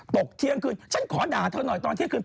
ตกเที่ยงคืนฉันขอด่าเธอหน่อยตอนเที่ยงคืน